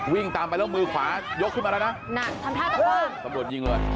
วิ่งตามไปแล้วมือขวายกขึ้นมาแล้วนะนั่นทำท่าจะว่างตำรวจยิงเลย